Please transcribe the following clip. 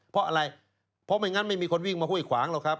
เพราะอะไรเพราะไม่งั้นไม่มีคนวิ่งมาห้วยขวางหรอกครับ